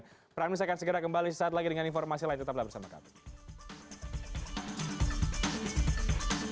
pernah perlahan saya akan segera kembali sesaat lagi dengan informasi lain tetaplah bersama kami